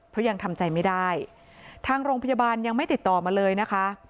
เพราะยังทำใจไม่ได้ทางโรงพยาบาลยังไม่ติดต่อมาเลยนะคะ